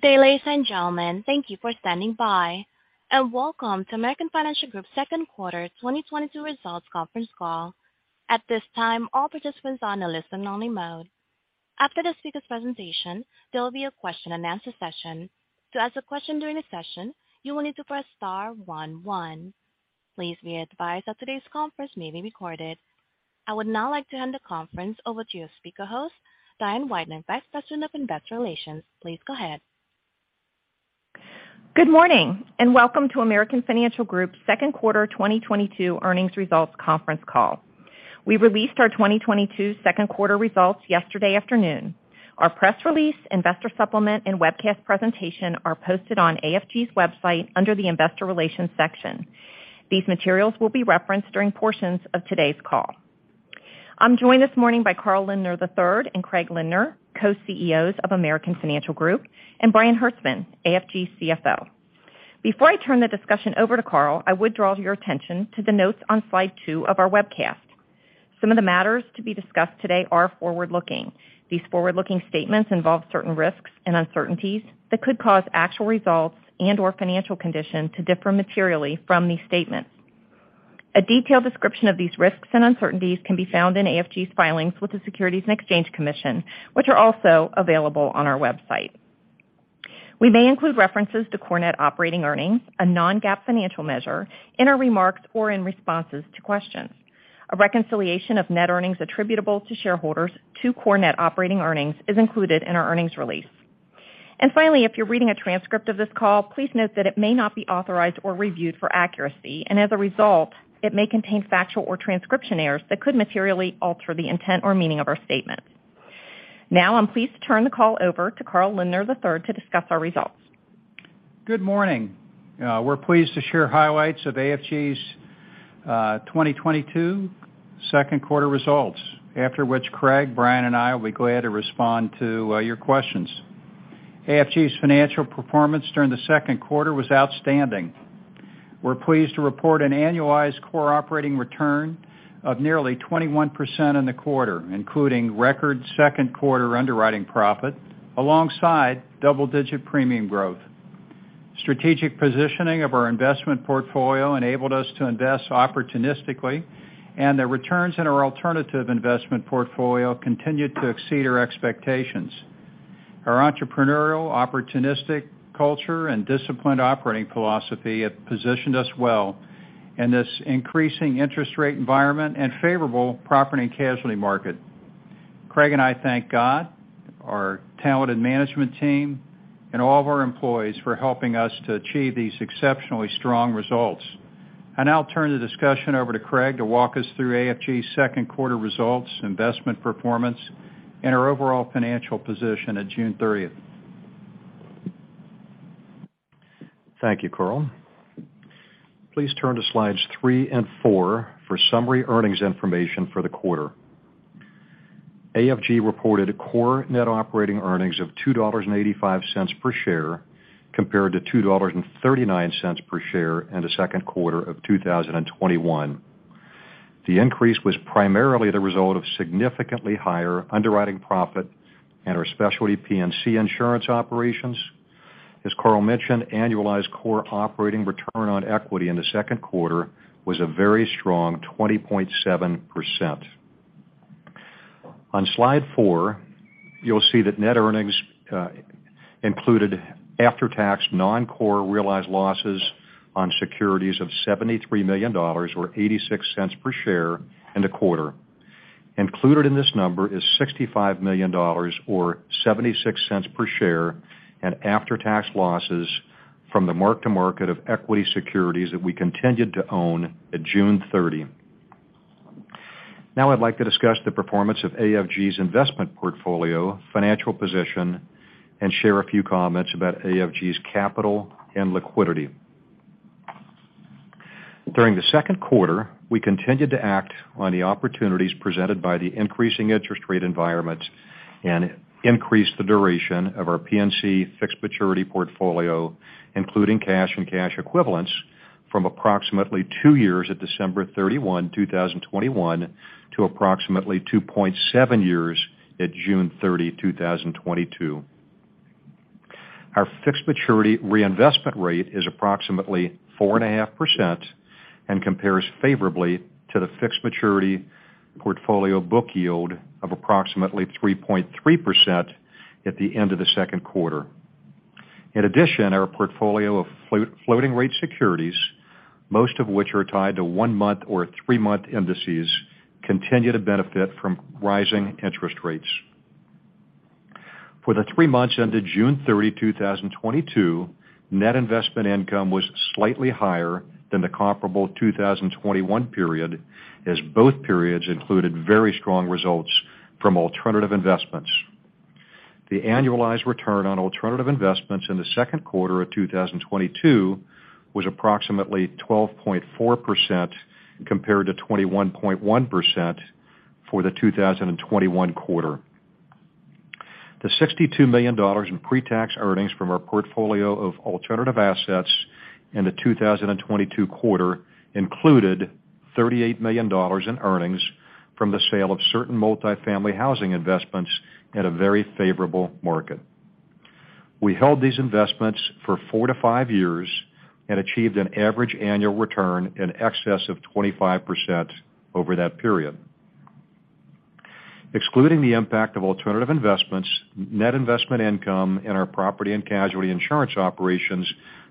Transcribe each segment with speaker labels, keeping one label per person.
Speaker 1: Good day ladies and gentlemen. Thank you for standing by, and welcome to American Financial Group's second quarter 2022 results conference call. At this time, all participants are in a listen only mode. After the speaker presentation, there will be a question-and-answer session. To ask a question during the session, you will need to press star one one. Please be advised that today's conference may be recorded. I would now like to hand the conference over to your speaker host, Diane P. Weidner, Vice President of Investor Relations, please go ahead.
Speaker 2: Good morning, and welcome to American Financial Group's second quarter 2022 earnings results conference call. We released our 2022 second quarter results yesterday afternoon. Our press release, investor supplement, and webcast presentation are posted on AFG's website under the Investor Relations section. These materials will be referenced during portions of today's call. I'm joined this morning by Carl Lindner III and Craig Lindner, Co-CEOs of American Financial Group, and Brian Hertzman, AFG CFO. Before I turn the discussion over to Carl, I would draw your attention to the notes on slide two of our webcast. Some of the matters to be discussed today are forward-looking. These forward-looking statements involve certain risks and uncertainties that could cause actual results and/or financial condition to differ materially from these statements. A detailed description of these risks and uncertainties can be found in AFG's filings with the Securities and Exchange Commission, which are also available on our website. We may include references to core net operating earnings, a non-GAAP financial measure, in our remarks or in responses to questions. A reconciliation of net earnings attributable to shareholders to core net operating earnings is included in our earnings release. Finally, if you're reading a transcript of this call, please note that it may not be authorized or reviewed for accuracy, and as a result, it may contain factual or transcription errors that could materially alter the intent or meaning of our statement. Now, I'm pleased to turn the call over to Carl H. Lindner III to discuss our results.
Speaker 3: Good morning. We're pleased to share highlights of AFG's 2022 second quarter results. After which Craig, Brian, and I will be glad to respond to your questions. AFG's financial performance during the second quarter was outstanding. We're pleased to report an annualized core operating return of nearly 21% in the quarter, including record second quarter underwriting profit alongside double-digit premium growth. Strategic positioning of our investment portfolio enabled us to invest opportunistically, and the returns in our alternative investment portfolio continued to exceed our expectations. Our entrepreneurial opportunistic culture and disciplined operating philosophy have positioned us well in this increasing interest rate environment and favorable property and casualty market. Craig and I thank God, our talented management team, and all of our employees for helping us to achieve these exceptionally strong results. I now turn the discussion over to Craig to walk us through AFG's second quarter results, investment performance, and our overall financial position at June 30th.
Speaker 4: Thank you, Carl. Please turn to slides three and four for summary earnings information for the quarter. AFG reported core net operating earnings of $2.85 per share, compared to $2.39 per share in the second quarter of 2021. The increase was primarily the result of significantly higher underwriting profit at our specialty P&C insurance operations. As Carl mentioned, annualized core operating return on equity in the second quarter was a very strong 20.7%. On slide four, you'll see that net earnings included after-tax non-core realized losses on securities of $73 million or $0.86 per share in the quarter. Included in this number is $65 million or $0.76 per share after-tax losses from the mark-to-market of equity securities that we continued to own at June 30. Now I'd like to discuss the performance of AFG's investment portfolio, financial position, and share a few comments about AFG's capital and liquidity. During the second quarter, we continued to act on the opportunities presented by the increasing interest rate environment and increased the duration of our P&C fixed maturity portfolio, including cash and cash equivalents, from approximately two years at December 31, 2021, to approximately 2.7 years at June 30, 2022. Our fixed maturity reinvestment rate is approximately 4.5% and compares favorably to the fixed maturity portfolio book yield of approximately 3.3% at the end of the second quarter. In addition, our portfolio of floating rate securities, most of which are tied to one-month or three-month indices, continue to benefit from rising interest rates. For the three months ended June 30, 2022, net investment income was slightly higher than the comparable 2021 period, as both periods included very strong results from alternative investments. The annualized return on alternative investments in the second quarter of 2022 was approximately 12.4%, compared to 21.1% for the 2021 quarter. The $62 million in pre-tax earnings from our portfolio of alternative assets in the 2022 quarter included $38 million in earnings from the sale of certain multifamily housing investments at a very favorable market. We held these investments for four-five years and achieved an average annual return in excess of 25% over that period. Excluding the impact of alternative investments, net investment income in our property and casualty insurance operations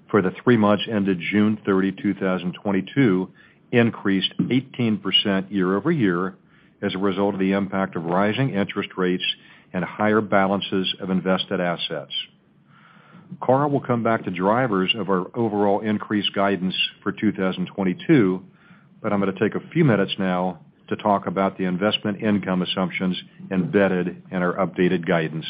Speaker 4: for the three months ended June 30, 2022 increased 18% year-over-year as a result of the impact of rising interest rates and higher balances of invested assets. Carl will come back to drivers of our overall increased guidance for 2022, but I'm going to take a few minutes now to talk about the investment income assumptions embedded in our updated guidance.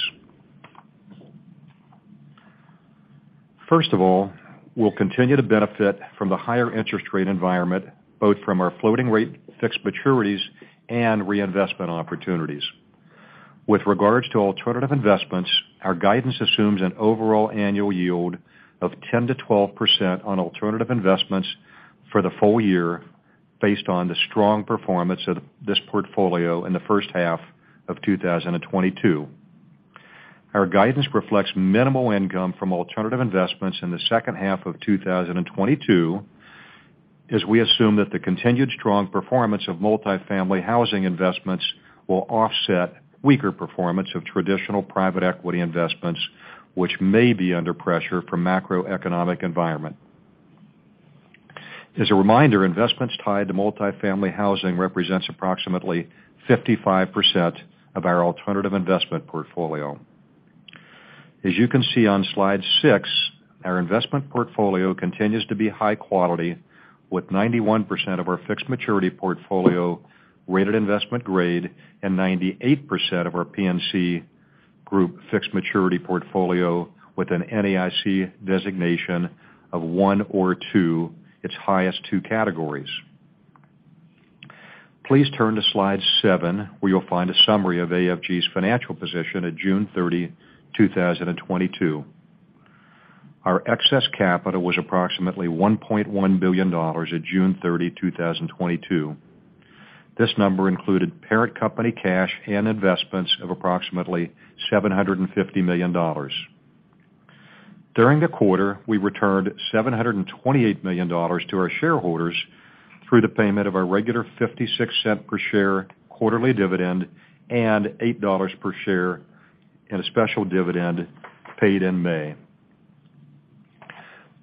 Speaker 4: First of all, we'll continue to benefit from the higher interest rate environment, both from our floating rate fixed maturities and reinvestment opportunities. With regards to alternative investments, our guidance assumes an overall annual yield of 10%-12% on alternative investments for the full year based on the strong performance of this portfolio in the first half of 2022. Our guidance reflects minimal income from alternative investments in the second half of 2022, as we assume that the continued strong performance of multifamily housing investments will offset weaker performance of traditional private equity investments, which may be under pressure from macroeconomic environment. As a reminder, investments tied to multifamily housing represents approximately 55% of our alternative investment portfolio. As you can see on slide six, our investment portfolio continues to be high quality with 91% of our fixed maturity portfolio rated investment grade and 98% of our P&C group fixed maturity portfolio with an NAIC designation of 1 or 2, its highest two categories. Please turn to slide seven, where you'll find a summary of AFG's financial position at June 30, 2022. Our excess capital was approximately $1.1 billion at June 30, 2022. This number included parent company cash and investments of approximately $750 million. During the quarter, we returned $728 million to our shareholders through the payment of our regular $56 cent per share quarterly dividend and $8 per share in a special dividend paid in May.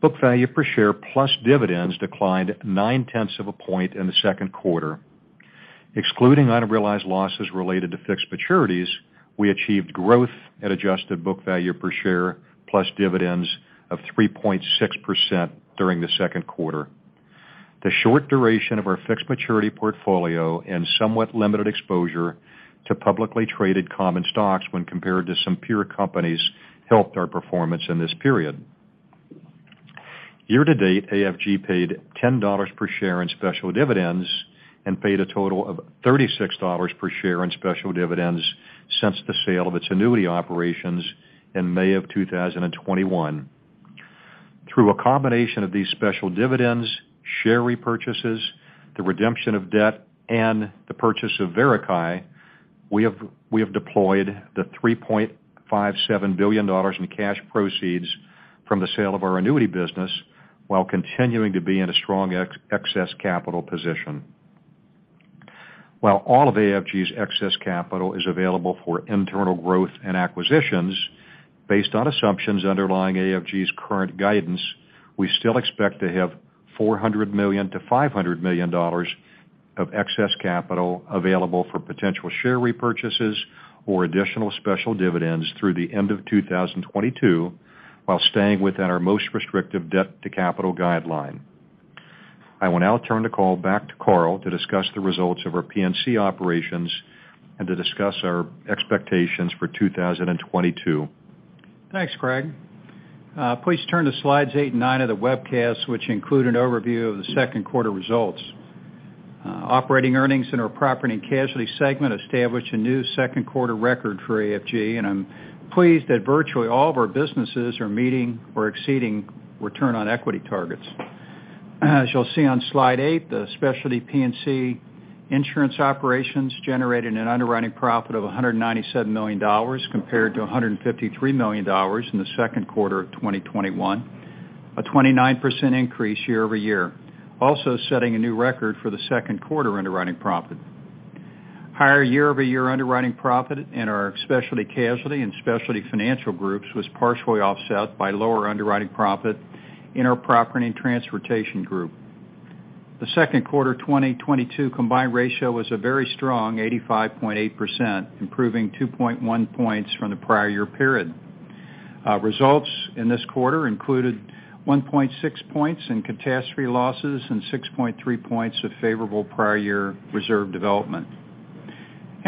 Speaker 4: Book value per share plus dividends declined 0.9 of a point in the second quarter. Excluding unrealized losses related to fixed maturities, we achieved growth at adjusted book value per share plus dividends of 3.6% during the second quarter. The short duration of our fixed maturity portfolio and somewhat limited exposure to publicly traded common stocks when compared to some peer companies helped our performance in this period. Year to date, AFG paid $10 per share in special dividends and paid a total of $36 per share in special dividends since the sale of its annuity operations in May of 2021. Through a combination of these special dividends, share repurchases, the redemption of debt, and the purchase of Verikai, we have deployed the $3.57 billion in cash proceeds from the sale of our annuity business while continuing to be in a strong excess capital position. While all of AFG's excess capital is available for internal growth and acquisitions, based on assumptions underlying AFG's current guidance, we still expect to have $400 million-$500 million of excess capital available for potential share repurchases or additional special dividends through the end of 2022 while staying within our most restrictive debt-to-capital guideline. I will now turn the call back to Carl to discuss the results of our P&C operations and to discuss our expectations for 2022.
Speaker 3: Thanks, Craig Lindner. Please turn to slides 8 and 9 of the webcast, which include an overview of the second quarter results. Operating earnings in our property and casualty segment established a new second quarter record for AFG, and I'm pleased that virtually all of our businesses are meeting or exceeding return on equity targets. As you'll see on slide eight, the specialty P&C insurance operations generated an underwriting profit of $197 million compared to $153 million in the second quarter of 2021, a 29% increase year-over-year, also setting a new record for the second quarter underwriting profit. Higher year-over-year underwriting profit in our Specialty Casualty and Specialty Financial groups was partially offset by lower underwriting profit in our Property and Transportation Group. The second quarter 2022 combined ratio was a very strong 85.8%, improving 2.1 points from the prior year period. Results in this quarter included 1.6 points in catastrophe losses and 6.3 points of favorable prior year reserve development.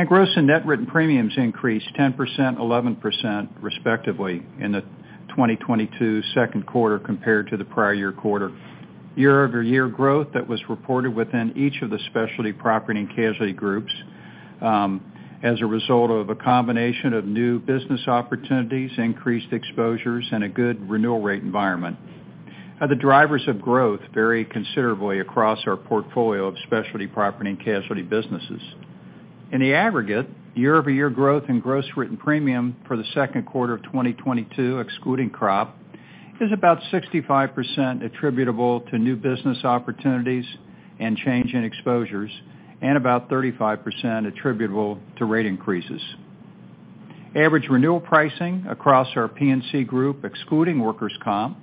Speaker 3: Gross and net written premiums increased 10%, 11% respectively in the 2022 second quarter compared to the prior year quarter. Year-over-year growth that was reported within each of the specialty property and casualty groups, as a result of a combination of new business opportunities, increased exposures, and a good renewal rate environment. The drivers of growth vary considerably across our portfolio of specialty property and casualty businesses. In the aggregate, year-over-year growth in gross written premium for the second quarter of 2022, excluding crop, is about 65% attributable to new business opportunities and change in exposures and about 35% attributable to rate increases. Average renewal pricing across our P&C group, excluding workers' comp,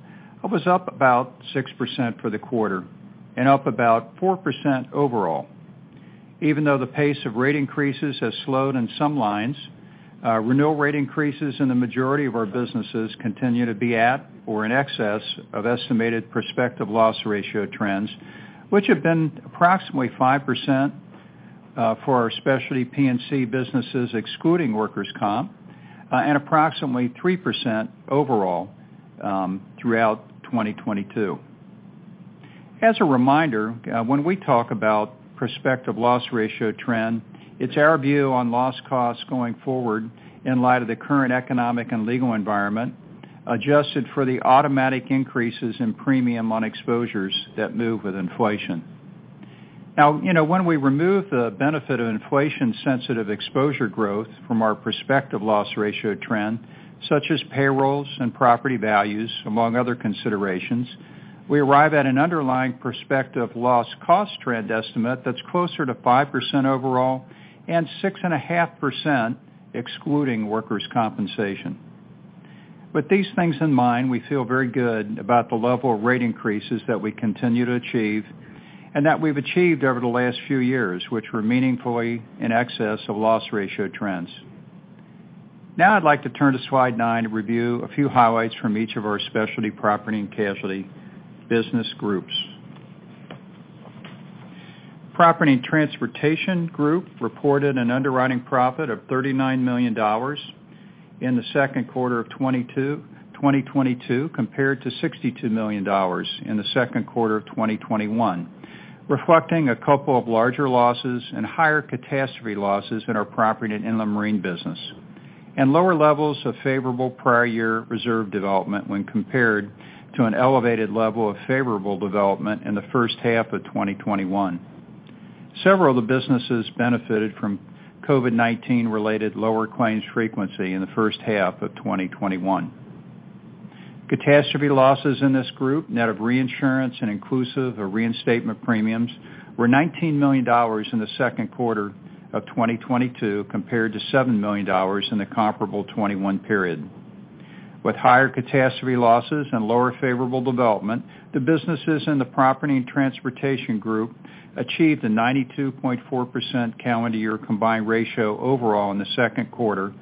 Speaker 3: was up about 6% for the quarter and up about 4% overall. Even though the pace of rate increases has slowed in some lines, renewal rate increases in the majority of our businesses continue to be at or in excess of estimated prospective loss ratio trends, which have been approximately 5% for our specialty P&C businesses, excluding workers' comp, and approximately 3% overall throughout 2022. As a reminder, when we talk about prospective loss ratio trend, it's our view on loss costs going forward in light of the current economic and legal environment, adjusted for the automatic increases in premium on exposures that move with inflation. Now, you know, when we remove the benefit of inflation-sensitive exposure growth from our prospective loss ratio trend, such as payrolls and property values, among other considerations, we arrive at an underlying prospective loss cost trend estimate that's closer to 5% overall and 6.5% excluding workers' compensation. With these things in mind, we feel very good about the level of rate increases that we continue to achieve and that we've achieved over the last few years, which were meaningfully in excess of loss ratio trends. Now I'd like to turn to Slide nine to review a few highlights from each of our Specialty Property and Casualty business groups. Property and Transportation Group reported an underwriting profit of $39 million in the second quarter of 2022 compared to $62 million in the second quarter of 2021, reflecting a couple of larger losses and higher catastrophe losses in our property and inland marine business and lower levels of favorable prior year reserve development when compared to an elevated level of favorable development in the first half of 2021. Several of the businesses benefited from COVID-19-related lower claims frequency in the first half of 2021. Catastrophe losses in this group, net of reinsurance and inclusive of reinstatement premiums, were $19 million in the second quarter of 2022 compared to $7 million in the comparable 2021 period. With higher catastrophe losses and lower favorable development, the businesses in the Property and Transportation Group achieved a 92.4% calendar year combined ratio overall in the second quarter,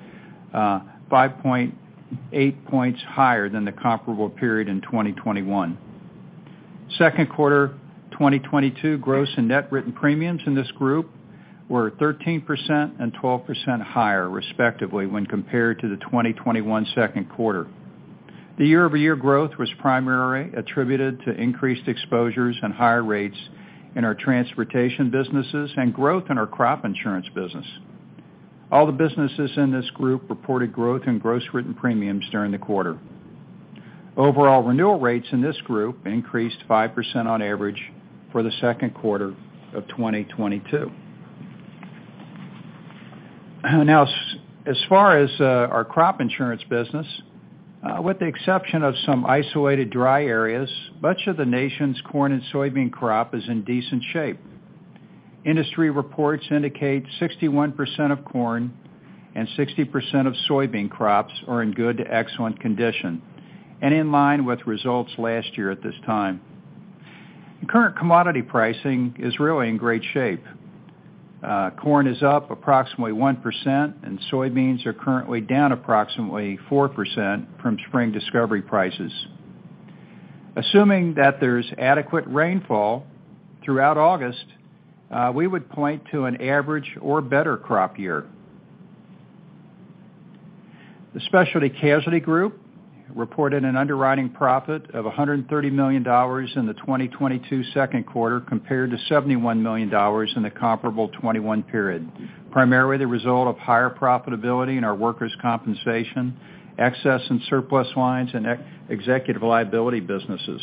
Speaker 3: 5.8 points higher than the comparable period in 2021. Second quarter 2022 gross and net written premiums in this group were 13% and 12% higher, respectively, when compared to the 2021 second quarter. The year-over-year growth was primarily attributed to increased exposures and higher rates in our transportation businesses and growth in our crop insurance business. All the businesses in this group reported growth in gross written premiums during the quarter. Overall renewal rates in this group increased 5% on average for the second quarter of 2022. Now, as far as our crop insurance business, with the exception of some isolated dry areas, much of the nation's corn and soybean crop is in decent shape. Industry reports indicate 61% of corn and 60% of soybean crops are in good to excellent condition and in line with results last year at this time. Current commodity pricing is really in great shape. Corn is up approximately 1%, and soybeans are currently down approximately 4% from spring discovery prices. Assuming that there's adequate rainfall throughout August, we would point to an average or better crop year. The Specialty Casualty Group reported an underwriting profit of $130 million in the 2022 second quarter compared to $71 million in the comparable 2021 period, primarily the result of higher profitability in our workers' compensation, excess and surplus lines, and executive liability businesses.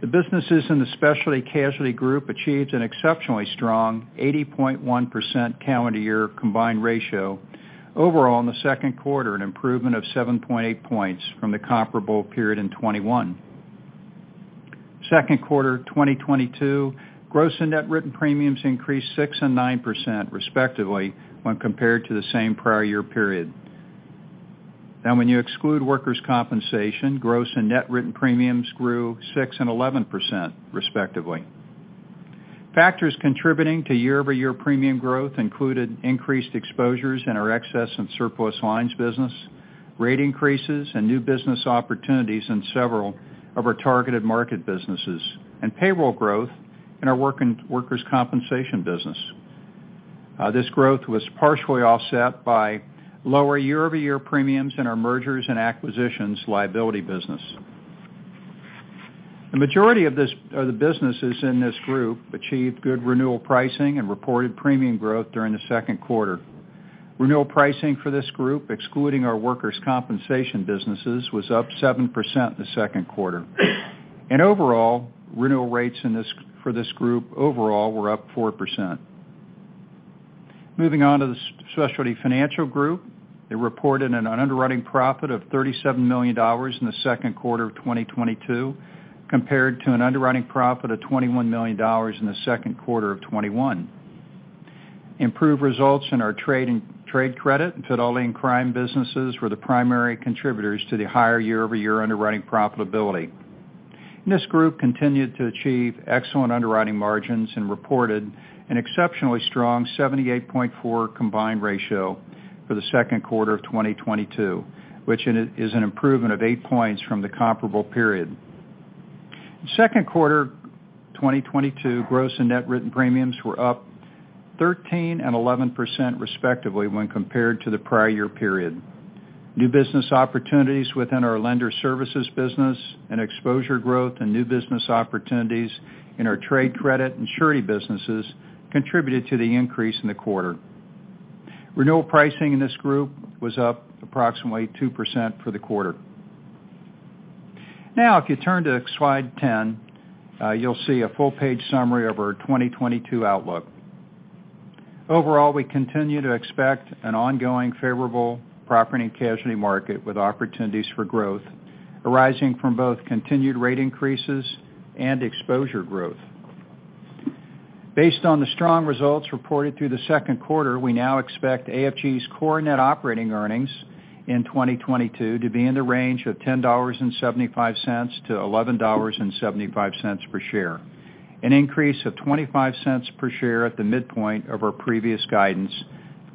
Speaker 3: The businesses in the Specialty Casualty Group achieved an exceptionally strong 80.1% calendar year combined ratio overall in the second quarter, an improvement of 7.8 points from the comparable period in 2021. Second quarter 2022, gross and net written premiums increased 6% and 9%, respectively, when compared to the same prior year period. Now when you exclude workers' compensation, gross and net written premiums grew 6% and 11%, respectively. Factors contributing to year-over-year premium growth included increased exposures in our excess and surplus lines business, rate increases and new business opportunities in several of our targeted market businesses, and payroll growth in our workers' compensation business. This growth was partially offset by lower year-over-year premiums in our mergers and acquisitions liability business. The majority of this or the businesses in this group achieved good renewal pricing and reported premium growth during the second quarter. Renewal pricing for this group, excluding our workers' compensation businesses, was up 7% in the second quarter. Overall, renewal rates for this group overall were up 4%. Moving on to the Specialty Financial Group, they reported an underwriting profit of $37 million in the second quarter of 2022 compared to an underwriting profit of $21 million in the second quarter of 2021. Improved results in our trade and Trade Credit and Fidelity and Crime businesses were the primary contributors to the higher year-over-year underwriting profitability. This group continued to achieve excellent underwriting margins and reported an exceptionally strong 78.4 combined ratio for the second quarter of 2022, which it is an improvement of eight points from the comparable period. In second quarter 2022, gross and net written premiums were up 13% and 11% respectively when compared to the prior year period. New business opportunities within our Lender Services business and exposure growth and new business opportunities in our Trade Credit and Surety businesses contributed to the increase in the quarter. Renewal pricing in this group was up approximately 2% for the quarter. Now if you turn to slide 10, you'll see a full-page summary of our 2022 outlook. Overall, we continue to expect an ongoing favorable property and casualty market with opportunities for growth arising from both continued rate increases and exposure growth. Based on the strong results reported through the second quarter, we now expect AFG's core net operating earnings in 2022 to be in the range of $10.75-$11.75 per share, an increase of $0.25 per share at the midpoint of our previous guidance,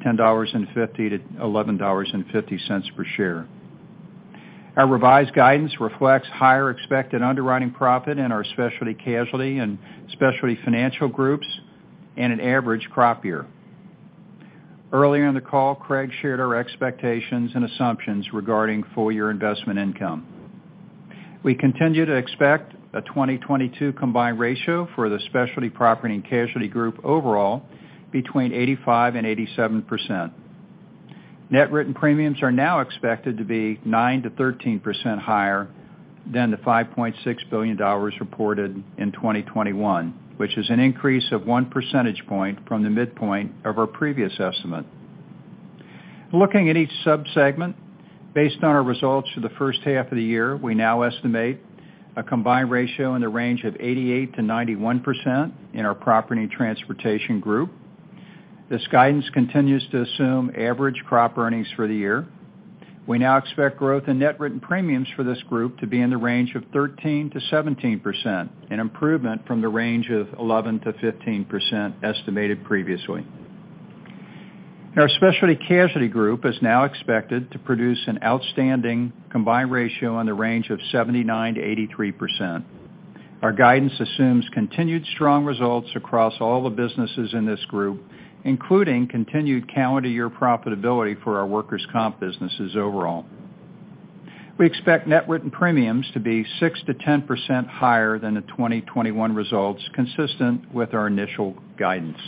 Speaker 3: $10.50-$11.50 per share. Our revised guidance reflects higher expected underwriting profit in our Specialty Casualty and Specialty Financial groups and an average crop year. Earlier in the call, Craig shared our expectations and assumptions regarding full year investment income. We continue to expect a 2022 combined ratio for the Specialty Property and Casualty Group overall between 85% and 87%. Net written premiums are now expected to be 9%-13% higher than the $5.6 billion reported in 2021, which is an increase of one percentage point from the midpoint of our previous estimate. Looking at each sub-segment, based on our results for the first half of the year, we now estimate a combined ratio in the range of 88%-91% in our Property and Transportation Group. This guidance continues to assume average crop earnings for the year. We now expect growth in net written premiums for this group to be in the range of 13%-17%, an improvement from the range of 11%-15% estimated previously. Our Specialty Casualty Group is now expected to produce an outstanding combined ratio in the range of 79%-83%. Our guidance assumes continued strong results across all the businesses in this group, including continued calendar year profitability for our workers' comp businesses overall. We expect net written premiums to be 6%-10% higher than the 2021 results, consistent with our initial guidance.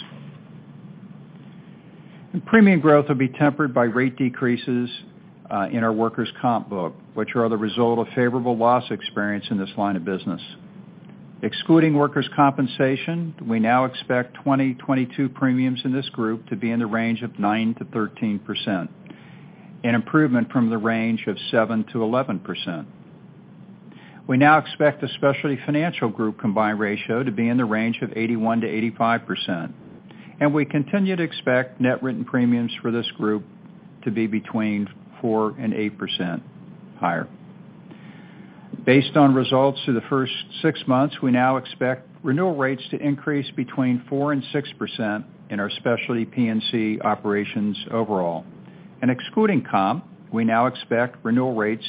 Speaker 3: Premium growth will be tempered by rate decreases in our workers' comp book, which are the result of favorable loss experience in this line of business. Excluding workers' compensation, we now expect 2022 premiums in this group to be in the range of 9%-13%, an improvement from the range of 7%-11%. We now expect the Specialty Financial Group combined ratio to be in the range of 81%-85%, and we continue to expect net written premiums for this group to be between 4% and 8% higher. Based on results through the first 6 months, we now expect renewal rates to increase between 4% and 6% in our specialty P&C operations overall. Excluding comp, we now expect renewal rates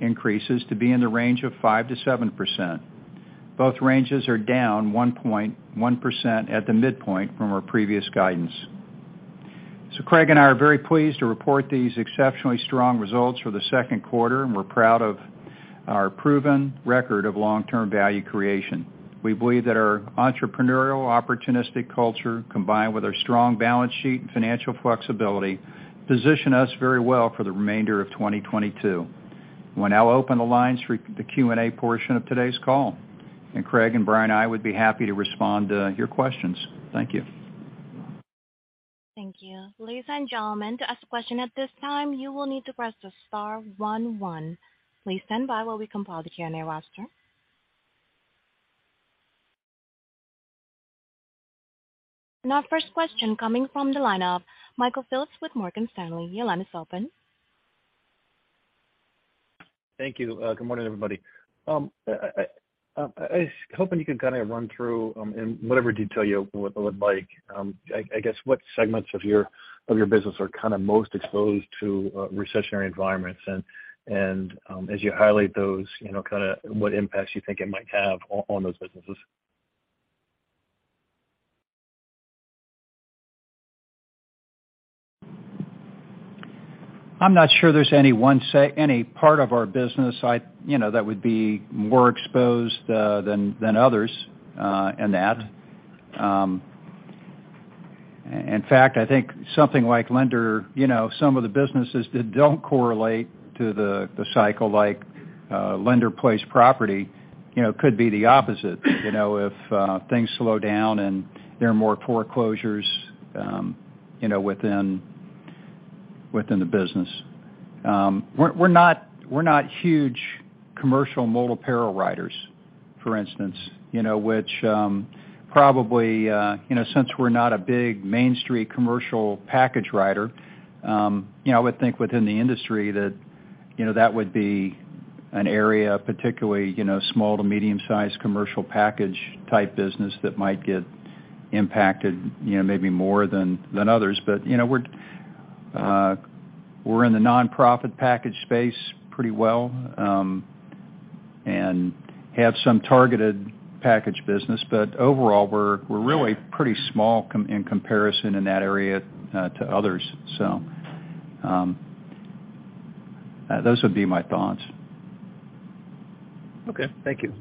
Speaker 3: increases to be in the range of 5%-7%. Both ranges are down one point, 1% at the midpoint from our previous guidance. Craig and I are very pleased to report these exceptionally strong results for the second quarter, and we're proud of our proven record of long-term value creation. We believe that our entrepreneurial, opportunistic culture, combined with our strong balance sheet and financial flexibility, position us very well for the remainder of 2022. We'll now open the lines for the Q&A portion of today's call. Craig and Brian, I would be happy to respond to your questions. Thank you.
Speaker 1: Thank you. Ladies and gentlemen, to ask a question at this time, you will need to press star one one. Please stand by while we compile the Q&A roster. Our first question coming from the line of Michael Phillips with Morgan Stanley, your line is open.
Speaker 5: Thank you. Good morning, everybody?. I was hoping you could kind of run through, in whatever detail you would like, I guess, what segments of your business are kind of most exposed to recessionary environments? As you highlight those, you know, kinda what impacts you think it might have on those businesses?
Speaker 3: I'm not sure there's any one any part of our business I, you know, that would be more exposed, than others, in that. In fact, I think something like lender, you know, some of the businesses that don't correlate to the cycle like, lender-placed property, you know, could be the opposite. You know, if things slow down and there are more foreclosures, you know, within the business. We're not huge commercial multi-peril writers, for instance, you know, which, probably, you know, since we're not a big main street commercial package writer, you know, I would think within the industry that, you know, that would be an area particularly, you know, small to medium-sized commercial package type business that might get impacted, you know, maybe more than others. You know, we're in the nonprofit package space pretty well, and have some targeted package business. Overall, we're really pretty small in comparison in that area to others. Those would be my thoughts.
Speaker 5: Okay. Thank you.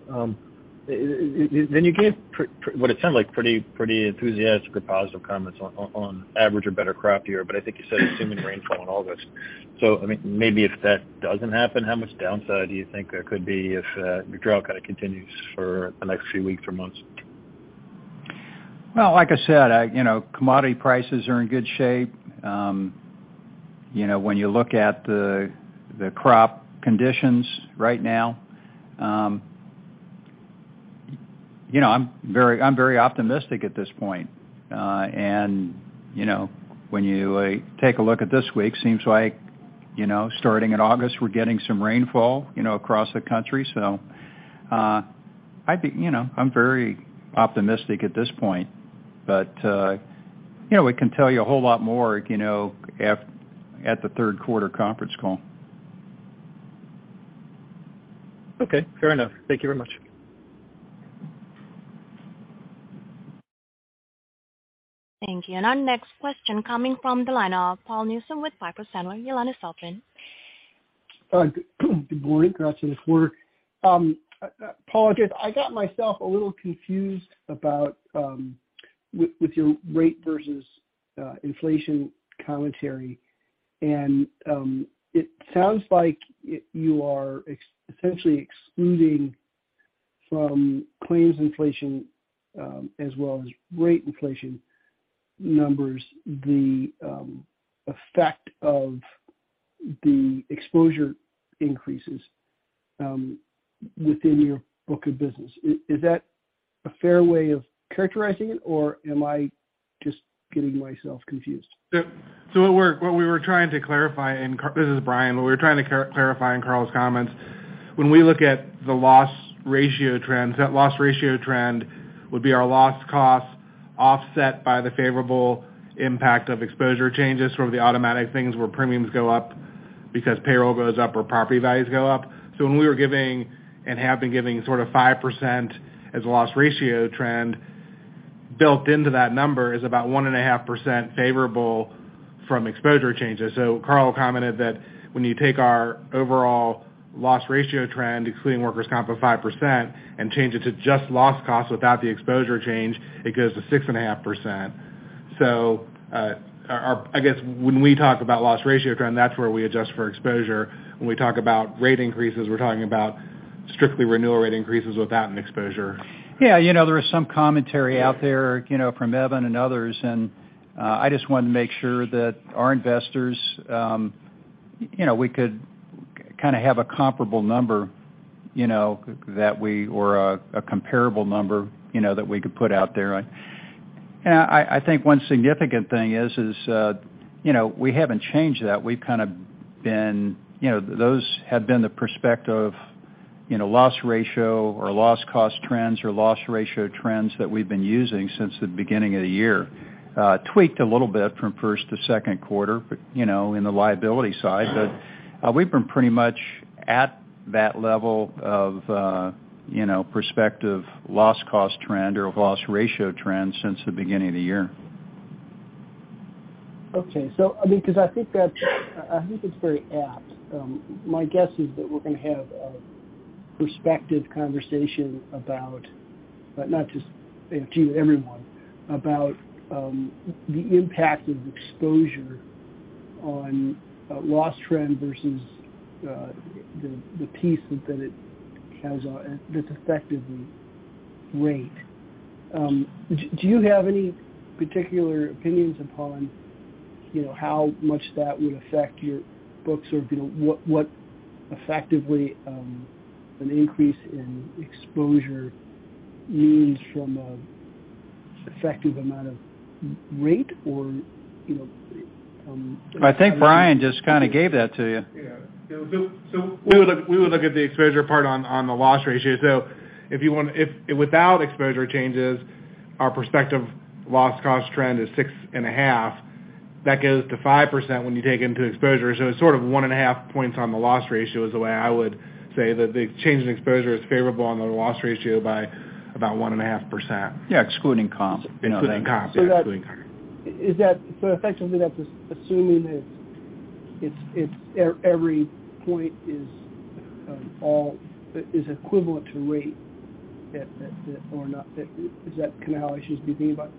Speaker 5: You gave what it sounded like pretty enthusiastic or positive comments on average or better crop year, but I think you said assuming rainfall in all this. I mean, maybe if that doesn't happen, how much downside do you think there could be if the drought kind of continues for the next few weeks or months?
Speaker 3: Well, like I said, you know, commodity prices are in good shape. You know, when you look at the crop conditions right now, you know, I'm very optimistic at this point. You know, when you take a look at this week, seems like, you know, starting in August, we're getting some rainfall, you know, across the country. I think, you know, I'm very optimistic at this point. You know, we can tell you a whole lot more, you know, at the third quarter conference call.
Speaker 5: Okay. Fair enough. Thank you very much.
Speaker 1: Thank you. Our next question coming from the line of Paul Newsome with Piper Sandler. [Yelena Saltin].
Speaker 6: Good morning. Paul, I guess I got myself a little confused about with your rate versus inflation commentary. It sounds like you are essentially excluding from claims inflation as well as rate inflation numbers the effect of the exposure increases within your book of business. Is that a fair way of characterizing it, or am I just getting myself confused?
Speaker 7: This is Brian. What we were trying to clarify in Carl's comments, when we look at the loss ratio trends, that loss ratio trend would be our loss cost offset by the favorable impact of exposure changes from the automatic things where premiums go up because payroll goes up or property values go up. When we were giving and have been giving sort of 5% as a loss ratio trend, built into that number is about 1.5% favorable from exposure changes. Carl commented that when you take our overall loss ratio trend, excluding workers' comp of 5% and change it to just loss cost without the exposure change, it goes to 6.5%. Our I guess when we talk about loss ratio trend, that's where we adjust for exposure. When we talk about rate increases, we're talking about strictly renewal rate increases without an exposure.
Speaker 3: Yeah, you know, there is some commentary out there, you know, from Evan and others. I just wanted to make sure that our investors, you know, we could kinda have a comparable number, you know, or a comparable number, you know, that we could put out there. I think one significant thing is, you know, we haven't changed that. We've kind of been, you know, those have been the prospective, you know, loss ratio or loss cost trends or loss ratio trends that we've been using since the beginning of the year. Tweaked a little bit from first to second quarter, you know, in the liability side. We've been pretty much at that level of, you know, prospective loss cost trend or loss ratio trend since the beginning of the year.
Speaker 6: Okay. I mean, 'cause I think it's very apt. My guess is that we're gonna have a prospective conversation, but not just to everyone, about the impact of exposure on a loss trend versus the piece that it has on that's effectively rate. Do you have any particular opinions on, you know, how much that would affect your books or, you know, what effectively an increase in exposure means from an effective amount of rate or, you know?
Speaker 3: I think Brian just kinda gave that to you.
Speaker 7: Yeah. We would look at the exposure part on the loss ratio. If without exposure changes, our prospective loss cost trend is 6.5. That goes to 5% when you take into exposure. It's sort of 1.5 points on the loss ratio is the way I would say that the change in exposure is favorable on the loss ratio by about 1.5%.
Speaker 3: Yeah, excluding comp.
Speaker 7: Excluding comp. Yeah, excluding comp.
Speaker 6: Is that so effectively, that's assuming it's every point is equivalent to rate that or not that? Is that kind of how I should be thinking about it?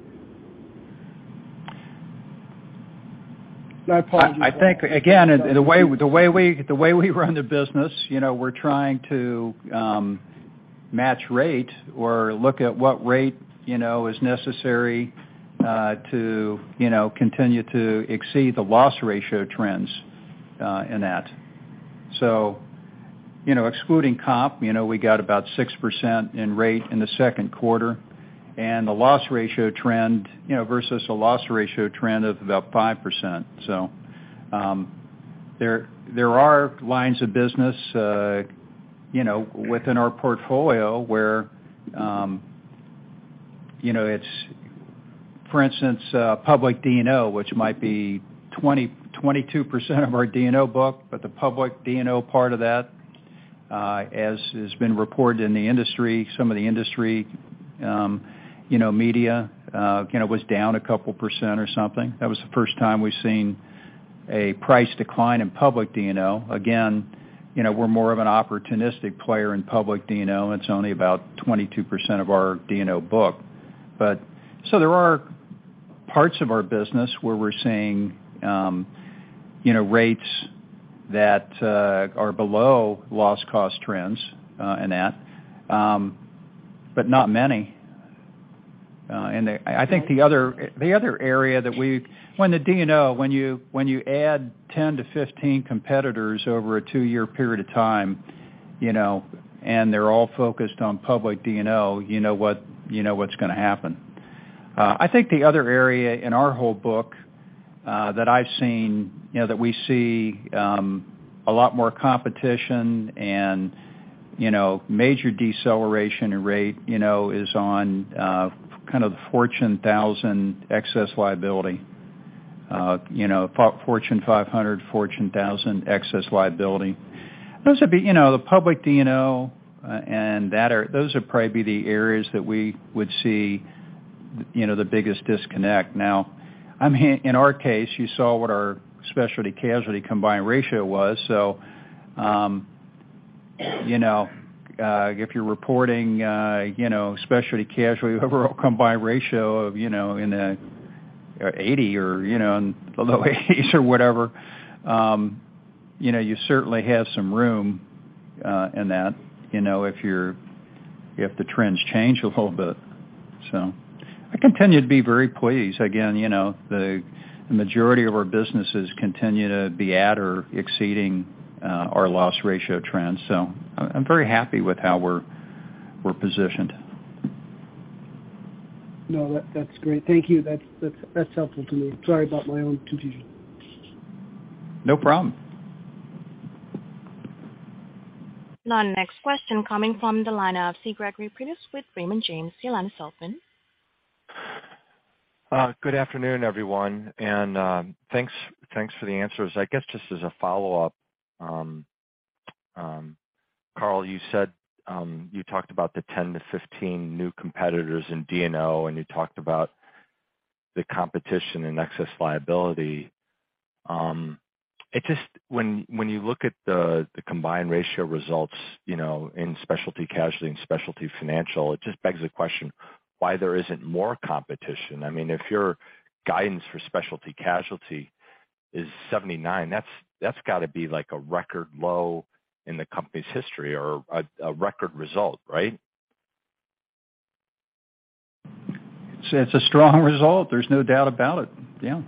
Speaker 6: I apologize.
Speaker 3: I think, again, the way we run the business, you know, we're trying to match rate or look at what rate, you know, is necessary to continue to exceed the loss ratio trends in that. Excluding comp, you know, we got about 6% in rate in the second quarter, and the loss ratio trend versus a loss ratio trend of about 5%. There are lines of business, you know, within our portfolio where it's for instance public D&O, which might be 22% of our D&O book, but the public D&O part of that as has been reported in the industry, some of the industry media was down a couple percent or something. That was the first time we've seen a price decline in public D&O. Again, you know, we're more of an opportunistic player in public D&O. It's only about 22% of our D&O book. There are parts of our business where we're seeing, you know, rates that are below loss cost trends, in that, but not many. I think the other area. When you add 10-15 competitors over a two-year period of time, you know, and they're all focused on public D&O, you know what, you know what's gonna happen. I think the other area in our whole book that I've seen, you know, that we see a lot more competition and, you know, major deceleration in rate, you know, is on kind of the Fortune 1000 excess liability, you know, Fortune 500, Fortune 1000 excess liability. Those would be, you know, the public D&O. Those would probably be the areas that we would see, you know, the biggest disconnect. Now, in our case, you saw what our Specialty Casualty combined ratio was. If you're reporting, you know, Specialty Casualty overall combined ratio of, you know, in the 80 or, you know, in the low 80s or whatever, you know, you certainly have some room in that, you know, if the trends change a little bit. I continue to be very pleased. Again, you know, the majority of our businesses continue to be at or exceeding our loss ratio trends. I'm very happy with how we're positioned.
Speaker 6: No, that's great. Thank you. That's helpful to me. Sorry about my own confusion.
Speaker 3: No problem.
Speaker 1: Our next question coming from the line of C. Gregory Peters with Raymond James, your line is open.
Speaker 8: Good afternoon, everyone, and thanks for the answers. I guess just as a follow-up, Carl, you said you talked about the 10-15 new competitors in D&O, and you talked about the competition in excess liability. When you look at the combined ratio results, you know, in Specialty Casualty and Specialty Financial, it just begs the question why there isn't more competition. I mean, if your guidance for Specialty Casualty is 79%, that's gotta be, like, a record low in the company's history or a record result, right?
Speaker 3: It's a strong result. There's no doubt about it. Yeah.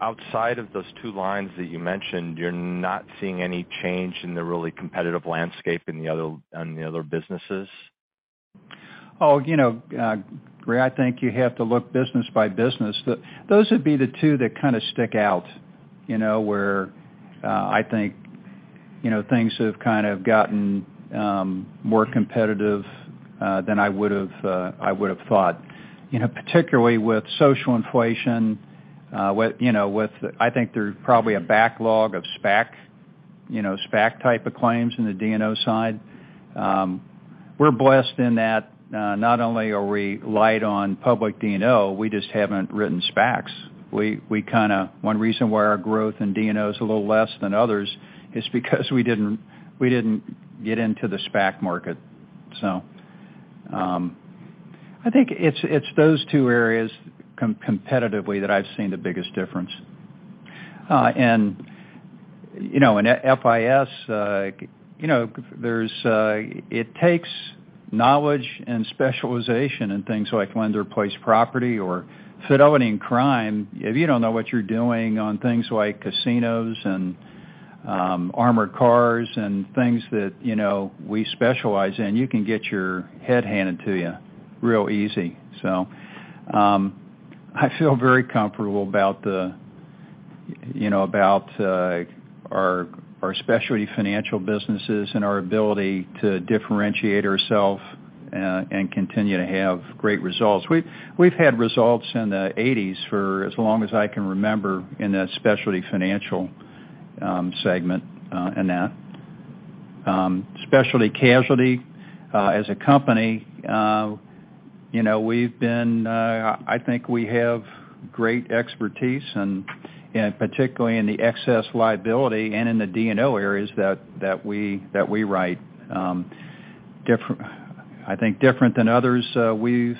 Speaker 8: outside of those two lines that you mentioned, you're not seeing any change in the really competitive landscape on the other businesses?
Speaker 3: You know, Greg, I think you have to look business by business. Those would be the two that kind of stick out, you know, where I think, you know, things have kind of gotten more competitive than I would've thought. You know, particularly with social inflation. I think there's probably a backlog of SPAC, you know, SPAC type of claims in the D&O side. We're blessed in that not only are we light on public D&O, we just haven't written SPACs. One reason why our growth in D&O is a little less than others is because we didn't get into the SPAC market. I think it's those two areas competitively that I've seen the biggest difference. You know, in SFG, you know, it takes knowledge and specialization in things like Lender-Placed Property or Fidelity and Crime. If you don't know what you're doing on things like casinos and armored cars and things that, you know, we specialize in, you can get your head handed to you real easy. I feel very comfortable about the, you know, about our specialty financial businesses and our ability to differentiate ourself and continue to have great results. We've had results in the 80s for as long as I can remember in the specialty financial segment, in that. Especially carefully, as a company, you know, we've been. I think we have great expertise and particularly in the excess liability and in the D&O areas that we write. I think different than others, we've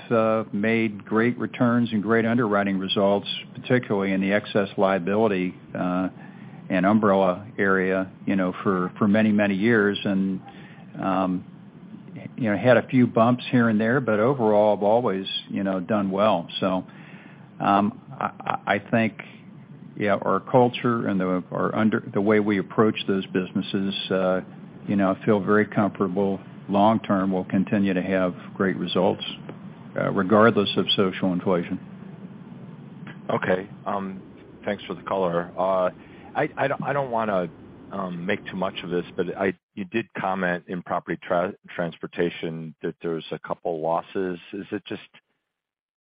Speaker 3: made great returns and great underwriting results, particularly in the excess liability and umbrella area, you know, for many years and, you know, had a few bumps here and there, but overall have always, you know, done well. I think, yeah, our culture and the way we approach those businesses, you know, feel very comfortable long term will continue to have great results, regardless of Social Inflation.
Speaker 8: Thanks for the color. I don't wanna make too much of this, but you did comment in Property Transportation that there's a couple losses. Is it just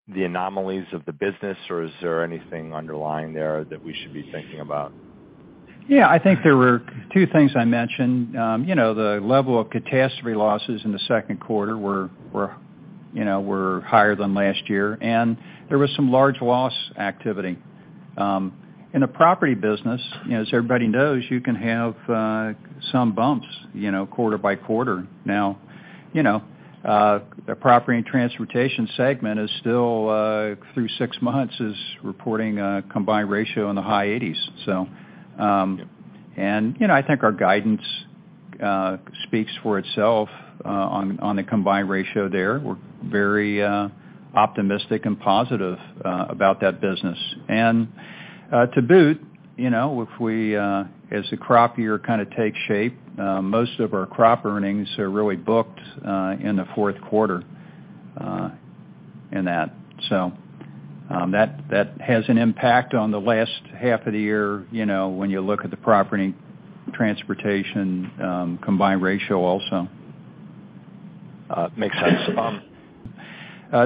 Speaker 8: the anomalies of the business, or is there anything underlying there that we should be thinking about?
Speaker 3: Yeah, I think there were two things I mentioned. You know, the level of catastrophe losses in the second quarter were higher than last year, and there was some large loss activity. In the property business, you know, as everybody knows, you can have some bumps, you know, quarter by quarter. Now, you know, the property and transportation segment is still through six months reporting a combined ratio in the high eighties. You know, I think our guidance speaks for itself on the combined ratio there. We're very optimistic and positive about that business. To boot, you know, if we as the crop year kind of takes shape, most of our crop earnings are really booked in the fourth quarter in that. That has an impact on the last half of the year, you know, when you look at the Property Transportation combined ratio also.
Speaker 8: Makes sense.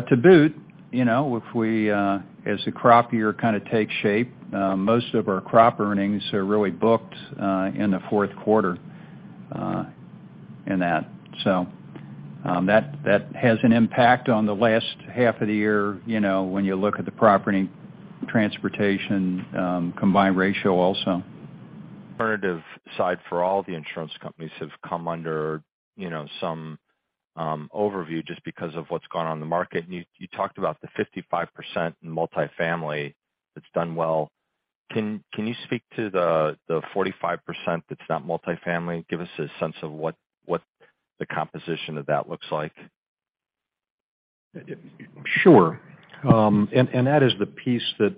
Speaker 3: To boot, you know, if, as the crop year kind of takes shape, most of our crop earnings are really booked in the fourth quarter in that. That has an impact on the last half of the year, you know, when you look at the Property and Transportation combined ratio also.
Speaker 8: Alternative side for all the insurance companies have come under, you know, some overview just because of what's gone on in the market. You talked about the 55% in multifamily that's done well. Can you speak to the 45% that's not multifamily? Give us a sense of what the composition of that looks like.
Speaker 4: Sure. That is the piece that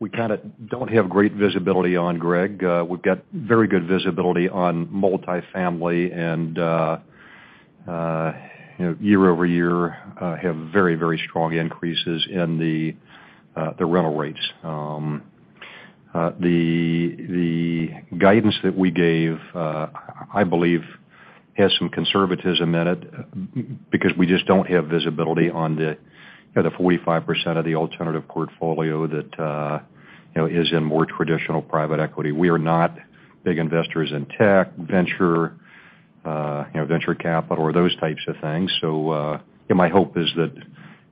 Speaker 4: we kind of don't have great visibility on, Greg. We've got very good visibility on multifamily and, you know, year-over-year, have very, very strong increases in the rental rates. The guidance that we gave, I believe, has some conservatism in it because we just don't have visibility on the, you know, the 45% of the alternative portfolio that, you know, is in more traditional private equity. We are not big investors in tech, venture, you know, venture capital or those types of things. My hope is that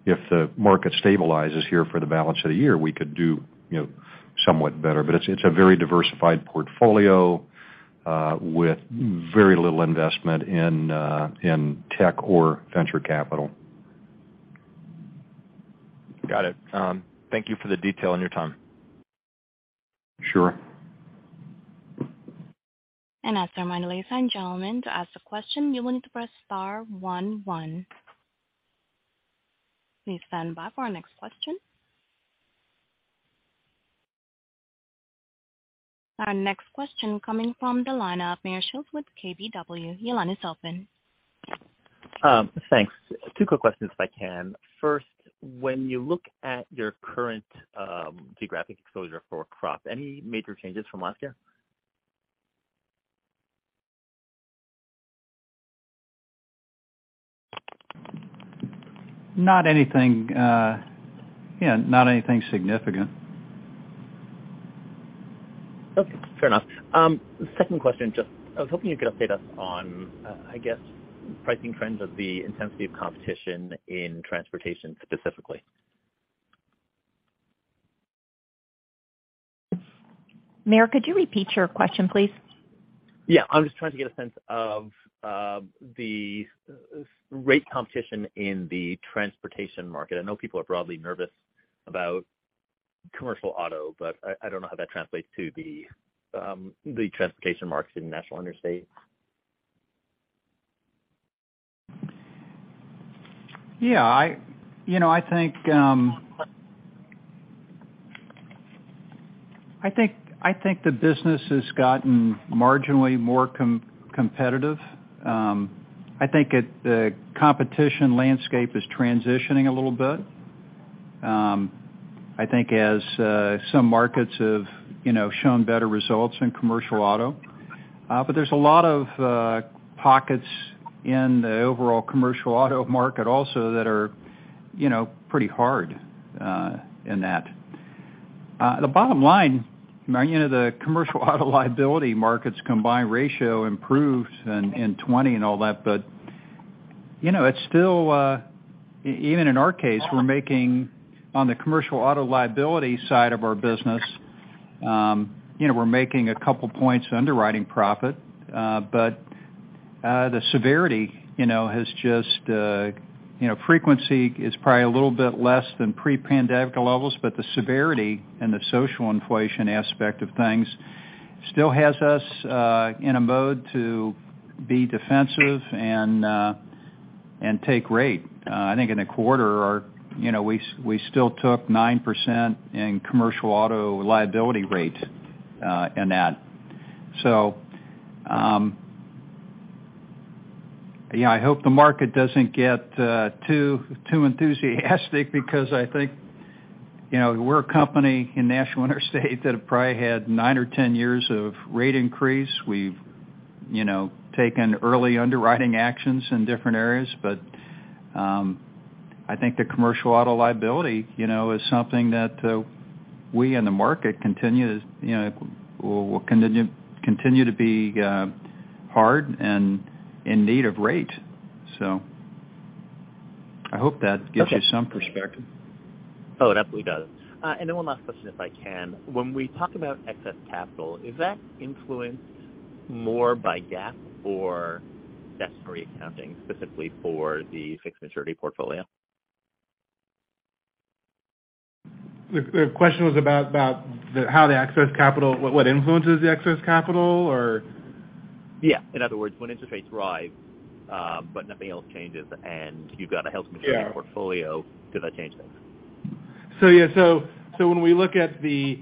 Speaker 4: if the market stabilizes here for the balance of the year, we could do, you know, somewhat better. It's a very diversified portfolio with very little investment in tech or venture capital.
Speaker 8: Got it. Thank you for the detail and your time.
Speaker 4: Sure.
Speaker 1: As a reminder, ladies and gentlemen, to ask a question, you will need to press star one one. Please stand by for our next question. Our next question coming from the line of Meyer Shields with KBW, your line is open.
Speaker 9: Thanks. Two quick questions, if I can. First, when you look at your current geographic exposure for crop, any major changes from last year?
Speaker 3: Not anything, yeah, not anything significant.
Speaker 9: Okay, fair enough. Second question, just I was hoping you could update us on, I guess pricing trends and the intensity of competition in transportation specifically.
Speaker 1: Meyer, could you repeat your question, please?
Speaker 9: Yeah. I'm just trying to get a sense of the rate competition in the transportation market. I know people are broadly nervous about commercial auto, but I don't know how that translates to the transportation market in National Interstate.
Speaker 3: Yeah, you know, I think the business has gotten marginally more competitive. I think the competition landscape is transitioning a little bit, I think as some markets have, you know, shown better results in commercial auto. But there's a lot of pockets in the overall commercial auto market also that are, you know, pretty hard in that. The bottom line, you know, the commercial auto liability markets combined ratio improves in 2020 and all that. You know, it's still even in our case, we're making on the commercial auto liability side of our business, you know, a couple points of underwriting profit. The severity, you know, has just, you know, frequency is probably a little bit less than pre-pandemic levels, but the severity and the social inflation aspect of things still has us in a mode to be defensive and and take rate. I think in a quarter or, you know, we still took 9% in commercial auto liability rates in that. Yeah, I hope the market doesn't get too enthusiastic because I think, you know, we're a company in National Interstate that have probably had nine or 10 years of rate increase. We've, you know, taken early underwriting actions in different areas. I think the commercial auto liability, you know, is something that we and the market continue, you know, will continue to be hard and in need of rate. I hope that gives you some perspective.
Speaker 9: Oh, it absolutely does. One last question, if I can. When we talk about excess capital, is that influenced more by GAAP or debt-free accounting, specifically for the fixed maturity portfolio?
Speaker 7: The question was about what influences the excess capital or?
Speaker 9: Yeah. In other words, when interest rates rise, but nothing else changes, and you've got a held-to-maturity portfolio, does that change things?
Speaker 7: When we look at the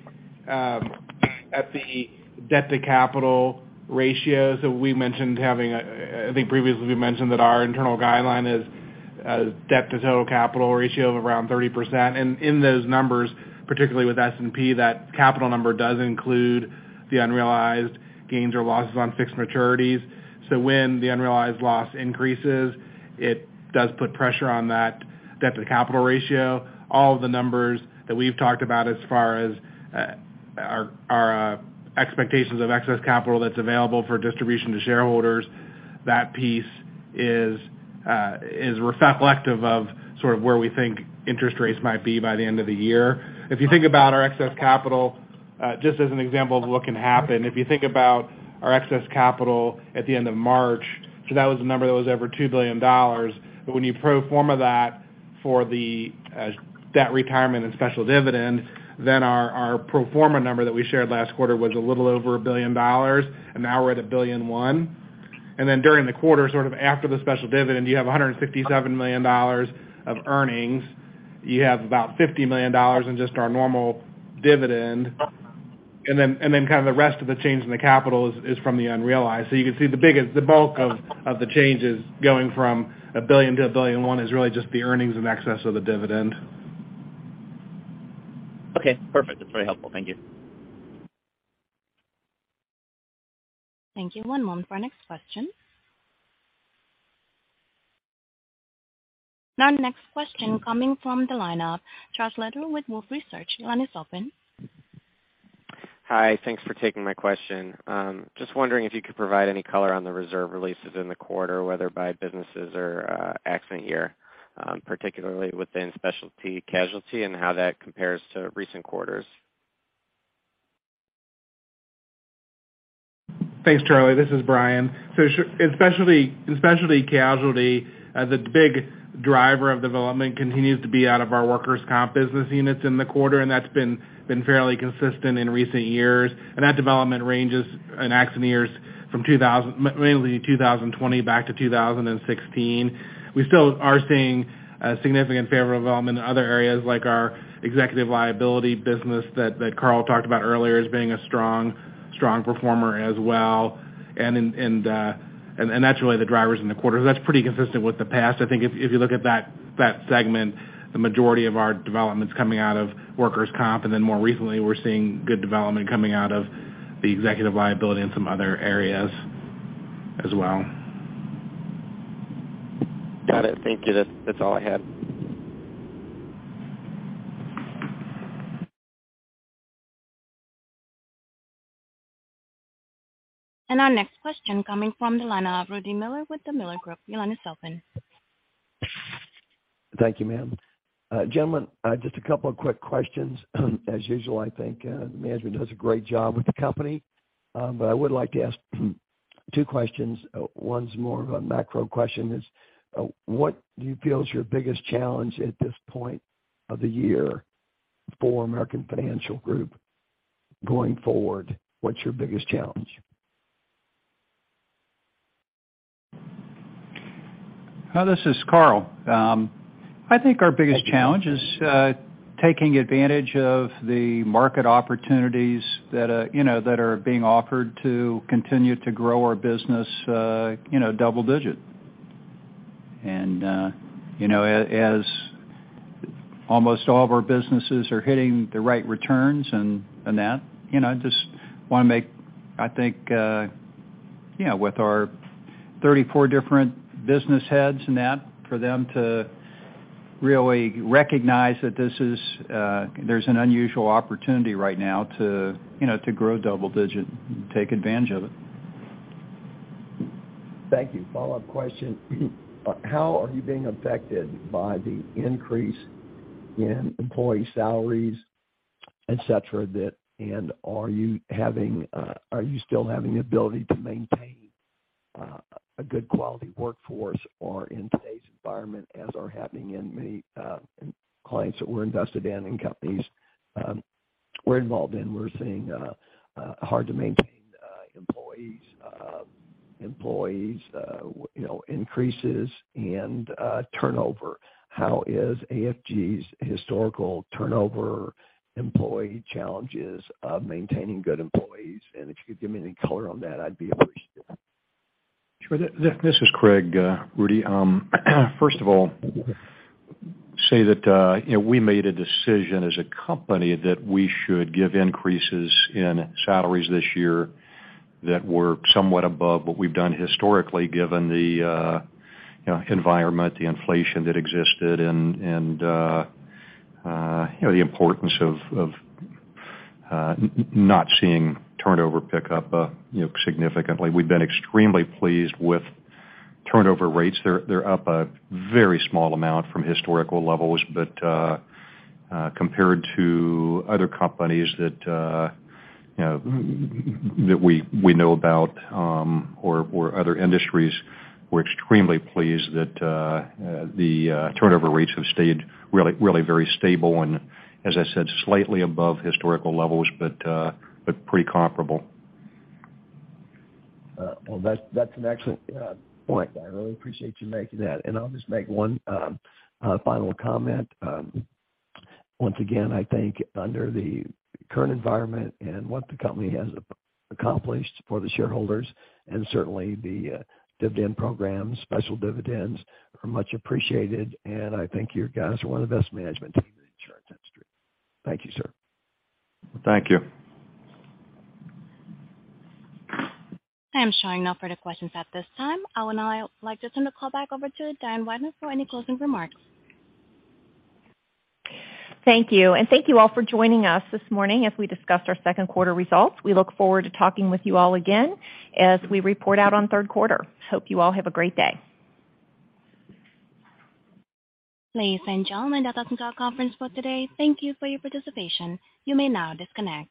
Speaker 7: debt-to-capital ratio, we mentioned having a—I think previously we mentioned that our internal guideline is a debt-to-total capital ratio of around 30%. In those numbers, particularly with S&P, that capital number does include the unrealized gains or losses on fixed maturities. When the unrealized loss increases, it does put pressure on that debt-to-capital ratio. All of the numbers that we've talked about as far as our expectations of excess capital that's available for distribution to shareholders, that piece is reflective of sort of where we think interest rates might be by the end of the year. If you think about our excess capital, just as an example of what can happen, if you think about our excess capital at the end of March, so that was the number that was over $2 billion. But when you pro forma that for the debt retirement and special dividend, then our pro forma number that we shared last quarter was a little over $1 billion, and now we're at $1.1 billion. Then during the quarter, sort of after the special dividend, you have $157 million of earnings. You have about $50 million in just our normal dividend. Then kind of the rest of the change in the capital is from the unrealized. You can see the biggest, the bulk of the changes going from $1 billion to $1.1 billion is really just the earnings in excess of the dividend.
Speaker 9: Okay, perfect. That's very helpful. Thank you.
Speaker 1: Thank you. One moment for our next question. Our next question coming from the line of Charlie Lederer with Wolfe Research, your line is open.
Speaker 10: Hi. Thanks for taking my question. Just wondering if you could provide any color on the reserve releases in the quarter, whether by businesses or accident year, particularly within Specialty Casualty, and how that compares to recent quarters.
Speaker 7: Thanks, Charlie. This is Brian. In Specialty, in Specialty Casualty, the big driver of development continues to be out of our workers' comp business units in the quarter, and that's been fairly consistent in recent years. That development ranges in accident years mainly 2020 back to 2016. We still are seeing a significant favorable development in other areas like our executive liability business that Carl talked about earlier as being a strong performer as well. That's really the drivers in the quarter. That's pretty consistent with the past. I think if you look at that segment, the majority of our development's coming out of workers' comp. Then more recently, we're seeing good development coming out of the executive liability in some other areas as well.
Speaker 10: Got it. Thank you. That's all I had.
Speaker 1: Our next question coming from the line of Rudy Miller with The Miller Group, your line is open.
Speaker 11: Thank you, ma'am. Gentlemen, just a couple of quick questions. As usual, I think management does a great job with the company. I would like to ask two questions. One's more of a macro question is, what do you feel is your biggest challenge at this point of the year for American Financial Group going forward? What's your biggest challenge?
Speaker 3: Hi, this is Carl. I think our biggest challenge is taking advantage of the market opportunities that you know that are being offered to continue to grow our business you know double digit. You know, as almost all of our businesses are hitting the right returns and that you know just wanna make, I think.
Speaker 4: You know, with our 34 different business heads and that, for them to really recognize that this is, there's an unusual opportunity right now to, you know, to grow double digit and take advantage of it.
Speaker 11: Thank you. Follow-up question. How are you being affected by the increase in employee salaries, et cetera? Are you still having the ability to maintain a good quality workforce? Or in today's environment, as is happening in many clients that we're invested in and companies we're involved in, we're seeing hard to maintain employees, you know, increases and turnover. How is AFG's historical turnover employee challenges of maintaining good employees? If you could give me any color on that, I'd be appreciative.
Speaker 4: Sure. This is Craig, Rudy. First of all, say that, you know, we made a decision as a company that we should give increases in salaries this year that were somewhat above what we've done historically, given the, you know, environment, the inflation that existed and, you know, the importance of not seeing turnover pick up, you know, significantly. We've been extremely pleased with turnover rates. They're up a very small amount from historical levels. Compared to other companies that, you know, that we know about, or other industries, we're extremely pleased that the turnover rates have stayed really very stable and, as I said, slightly above historical levels but pretty comparable.
Speaker 11: Well, that's an excellent point. I really appreciate you making that. I'll just make one final comment. Once again, I think under the current environment and what the company has accomplished for the shareholders, and certainly the dividend programs, special dividends are much appreciated, and I think you guys are one of the best management teams in the insurance industry. Thank you, sir.
Speaker 4: Thank you.
Speaker 1: I am showing no further questions at this time. I would now like to turn the call back over to Diane P. Weidner for any closing remarks.
Speaker 2: Thank you. Thank you all for joining us this morning as we discussed our second quarter results. We look forward to talking with you all again as we report out on third quarter. Hope you all have a great day.
Speaker 1: Ladies and gentlemen, that does conclude our conference call today. Thank you for your participation. You may now disconnect.